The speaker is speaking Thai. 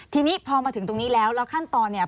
ทีนี้พอมาถึงตรงนี้แล้วแล้วขั้นตอนเนี่ย